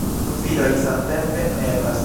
Du viroj samtempe, neeblas